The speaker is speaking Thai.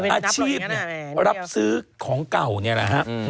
อาชีพรับซื้อของเก่าเนี่ยแหละฮะ